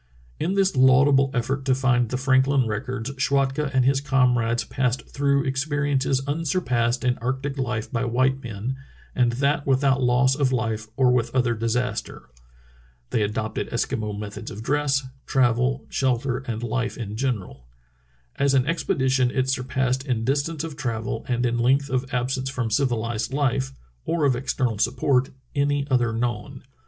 " In this laudable effort to find the Franklin records Schwatka and his comrades passed through experiences unsurpassed in arctic life by white men, and that with out loss of life or with other disaster. They adopted Eskimo methods of dress, travel, shelter, and life in general. As an expedition it surpassed in distance of travel and in length of absence from civilized life, or of external support, any other known.